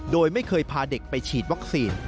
โดยไม่เคยพาเด็กไปฉีดวัคซีน